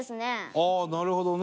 ああなるほどね。